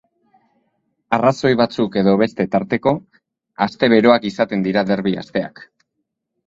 Arrazoi batzuk edo beste tarteko, aste beroak izaten dira derbi asteak.